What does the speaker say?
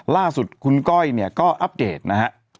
ล่าสุดคุณก้อยก็อัปเดตนะครับ